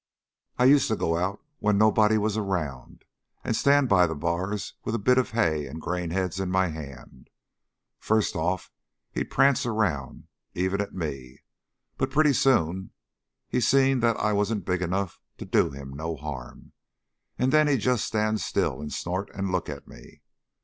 "I used to go out when nobody was around and stand by the bars with a bit of hay and grain heads in my hand. First off he'd prance around even at me, but pretty soon he seen that I wasn't big enough to do him no harm, and then he'd just stand still and snort and look at me.